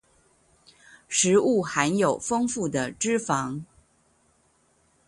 食物含有豐富的脂肪